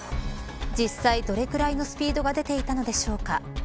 実際、どれぐらいのスピードが出ていたのでしょうか。